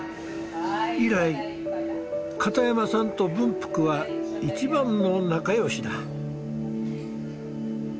以来片山さんと文福は一番の仲よしだ。